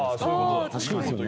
あ確かに。